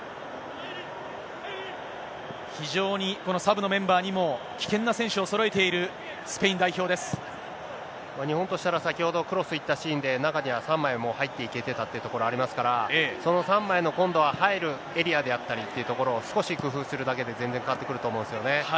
非常にこのサブのメンバーにも、危険な選手をそろえているスペイ日本としたら、先ほどクロスいったシーンで、中には３枚もう入っていけてたというところがありましたから、その３枚の今度入るエリアであったりっていうところを、少し工夫するだけで、全然変わってくると思うんですよね。